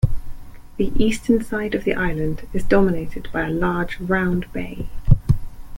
The eastern side of the island is dominated by a large round bay.